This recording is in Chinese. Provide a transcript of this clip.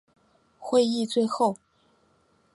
会议最后